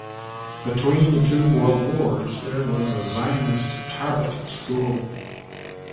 Between the two World Wars there was a Zionist Tarbut school.